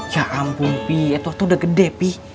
ya ampun pi eh waktu udah gede pi